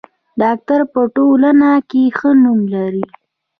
ډاکټر په ټولنه کې ښه نوم لري.